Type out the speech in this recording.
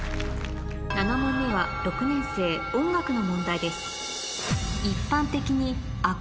７問目は６年生音楽の問題です